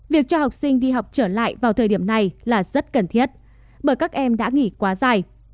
việc cho học sinh đi học trở lại vào thời điểm này là rất cần thiết bởi các em đã nghỉ quá dài